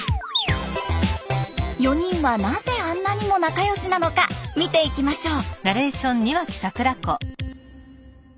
４人はなぜあんなにも仲良しなのか見ていきましょう。